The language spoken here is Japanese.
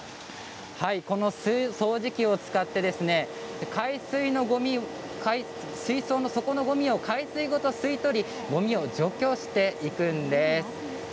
この掃除機を使ってごみ、水槽の底のごみを海水ごと吸い取りごみを除去していくんです。